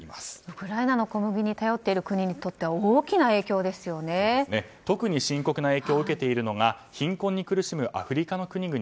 ウクライナの小麦に頼っている国にとっては特に深刻な影響を受けているのが貧困に苦しむアフリカの国々。